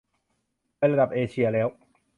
ไประดับเอเชียแล้ว !